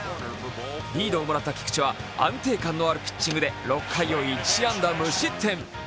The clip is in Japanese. リードをもらった菊池は安定感のあるピッチングで６回を１安打無失点。